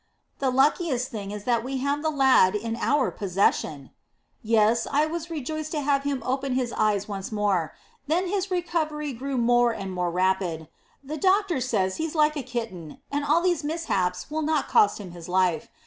"The luckiest thing is that we have the lad in our possession." "Yes, I was rejoiced to have him open his eyes once more. Then his recovery grew more and more rapid; the doctor says he is like a kitten, and all these mishaps will not cost him his life.